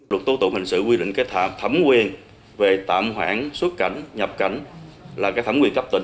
luật tố tụng hình sự quy định cái thạ thẩm quyền về tạm hoãn xuất cảnh nhập cảnh là cái thẩm quyền cấp tỉnh